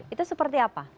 itu seperti apa